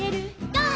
ゴー！」